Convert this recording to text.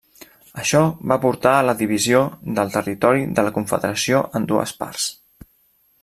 Això va portar a la divisió del territori de la Confederació en dues parts.